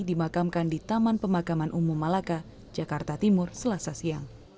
dimakamkan di taman pemakaman umum malaka jakarta timur selasa siang